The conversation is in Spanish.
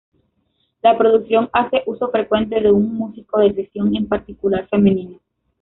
La producción hace uso frecuente de un músico de sesión, en particular femenino.